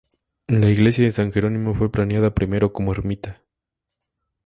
La iglesia de San Jerónimo fue planeada primero como ermita.